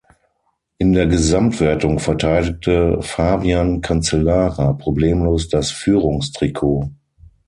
In der Gesamtwertung verteidigte Fabian Cancellara problemlos das Führungstrikot.